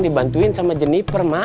dibantuin sama jeniper mak